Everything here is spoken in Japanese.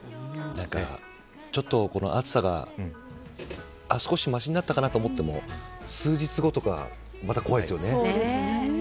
何か、暑さが少しましになったかなと思っても数日後とかまた怖いですよね。